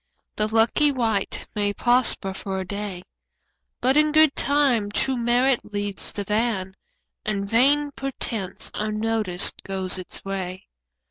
The lucky wight may prosper for a day, But in good time true merit leads the van And vain pretence, unnoticed, goes its way.